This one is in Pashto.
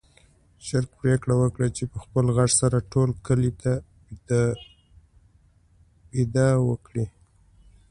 چرګ پرېکړه وکړه چې په خپل غږ سره ټول کلي ته بېده وکړي.